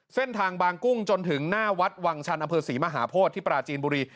เส้นทางบางกุ้งจนถึงหน้าวัดวังชันอำเภอศรีมหาโพธิที่ปราจีนบุรี